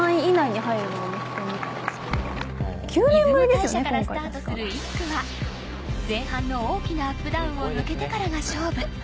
出雲大社からスタートする１区は前半の大きなアップダウンを抜けてからが勝負。